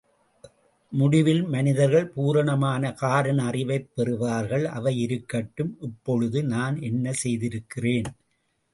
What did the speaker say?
முடிவில் மனிதர்கள் பூரணமான காரண அறிவைப் பெறுவார்கள், அவை இருக்கட்டும், இப்பொழுது நான் என்ன செய்திருக்கிறேன்.